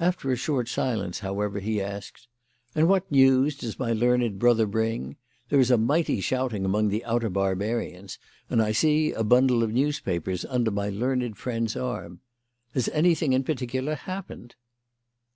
After a short silence, however, he asked: "And what news does my learned brother bring? There is a mighty shouting among the outer barbarians, and I see a bundle of newspapers under my learned friend's arm. Has anything in particular happened?"